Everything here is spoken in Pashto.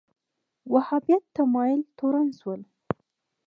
وهابیت تمایل تورن شول